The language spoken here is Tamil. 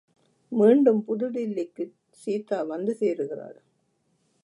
மீண்டும் புதுடில்லிக்குச் சீதா வந்துசேருகிறாள்.